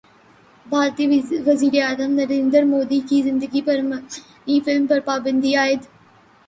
بھارتی وزیراعظم نریندر مودی کی زندگی پر مبنی فلم پر پابندی عائد